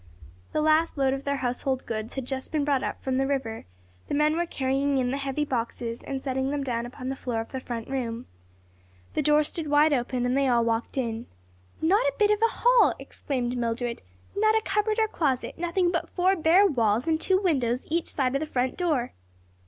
The last load of their household goods had just been brought up from the river, the men were carrying in the heavy boxes and setting them down upon the floor of the front room. The door stood wide open and they all walked in. "Not a bit of a hall!" exclaimed Mildred, "not a cupboard or closet; nothing but four bare walls and two windows each side of the front door."